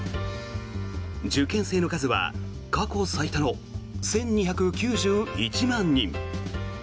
受験生の数は過去最多の１２９１万人。